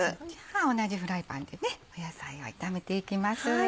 同じフライパンで野菜を炒めていきます。